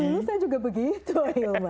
biasanya juga begitu ya umar